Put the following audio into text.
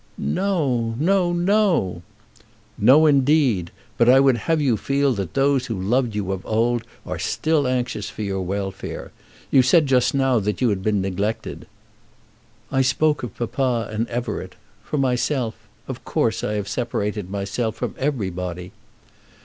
"No; no; no!" "No, indeed; but I would have you feel that those who loved you of old are still anxious for your welfare. You said just now that you had been neglected." "I spoke of papa and Everett. For myself, of course I have separated myself from everybody."